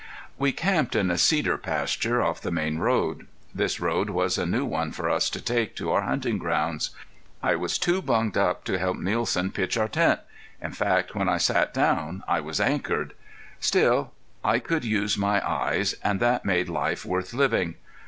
We camped in a cedar pasture off the main road. This road was a new one for us to take to our hunting grounds. I was too bunged up to help Nielsen pitch our tent. In fact when I sat down I was anchored. Still I could use my eyes, and that made life worth living.